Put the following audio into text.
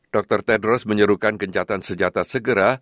dr tedros menyerukan gencatan senjata segera